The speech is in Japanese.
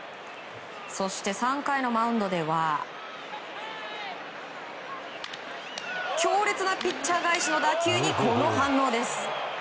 そして３回のマウンドでは強烈なピッチャー返しの打球にこの反応です。